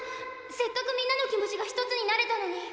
せっかくみんなの気持ちが一つになれたのに。